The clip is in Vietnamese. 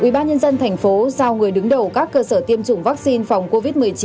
ubnd tp giao người đứng đầu các cơ sở tiêm chủng vaccine phòng covid một mươi chín